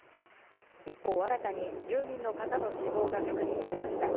一方、新たに１０人の方の死亡が確認されました。